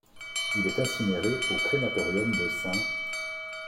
Il est incinéré au crématorium de St.